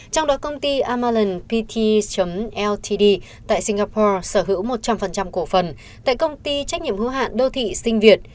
trong đó công ty amalanpte ltd tại singapore sở hữu một trăm linh cổ phần tại công ty trách nhiệm hô hạn đô thị sinh việt